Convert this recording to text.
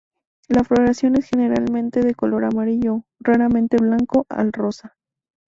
La floración es generalmente de color amarillo, raramente blanco al rosa.